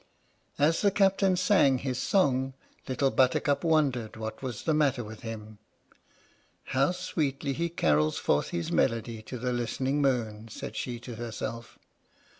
As the Captain sang his song, Little Buttercup wondered what was the matter with him. " How sweetly he carols forth his melody to the listening moon," said she to herself.